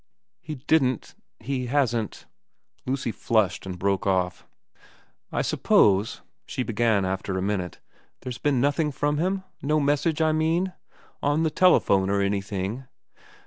' He didn't he hasn't ' Lucy flushed and broke off. * I suppose,' she began again after a minute, * there's been nothing from him ? No message, I mean ? On the telephone or anything